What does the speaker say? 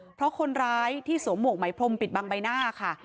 เพราะคนร้ายที่สวมหมวกไหมพรมปิดบังใบหน้าค่ะ